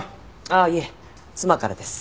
ああいえ妻からです。